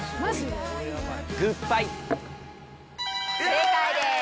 正解です。